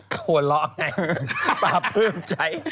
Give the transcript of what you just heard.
หัวเราะไง